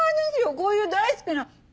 こういう大好きな。